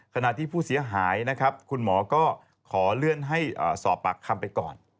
ขณะที่ผู้เสียหายนะครับคุณหมอก็ขอเลื่อนให้สอบปากคำไปก่อน